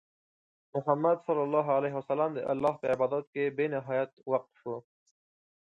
محمد صلى الله عليه وسلم د الله په عبادت کې بې نهایت وقف وو.